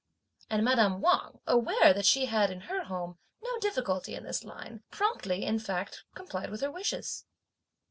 And madame Wang aware that she had, in her home, no difficulty in this line, promptly in fact complied with her wishes.